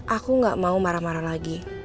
aku gak mau marah marah lagi